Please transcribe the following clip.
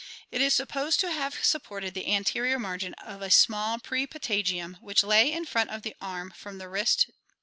It is supposed to have supported' the anterior margin of a small prepatagium which lay in front of the arm from the wrist to the Fig.